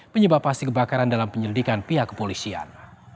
penyebab pasti kebakaran dalam penyelidikan pihak kepolisian